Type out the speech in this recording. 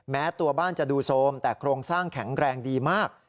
แม้ตัวบ้านจะดูโซมแต่โครงสร้างแข็งแรงดีมาก